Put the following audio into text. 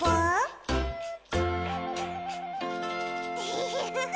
フフフフ。